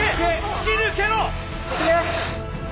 突き抜けろ！